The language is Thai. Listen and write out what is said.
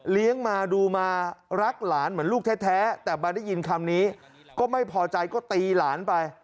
มาดูมารักหลานเหมือนลูกแท้แต่มาได้ยินคำนี้ก็ไม่พอใจก็ตีหลานไป